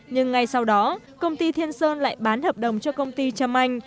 nhưng ngay sau đó công ty thiên sơn lại bán hợp đồng cho công ty trâm anh